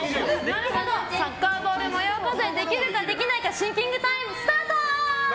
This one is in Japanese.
サッカーボール模様数えできるかできないかシンキングタイムスタート！